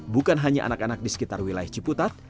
bukan hanya anak anak di sekitar wilayah ciputat